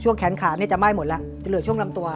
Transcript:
แขนขาจะไหม้หมดแล้วจะเหลือช่วงลำตัว